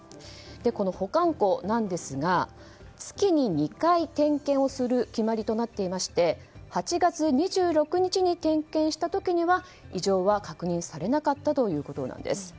この保管庫なんですが月に２回点検をする決まりとなっていまして８月２６日に点検した時には異常は確認されなかったということです。